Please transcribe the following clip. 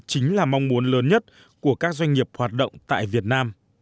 chính là mong muốn lớn nhất của các doanh nghiệp hoạt động tại việt nam